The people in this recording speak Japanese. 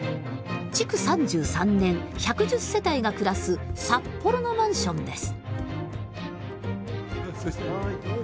１１０世帯が暮らす札幌のマンションです。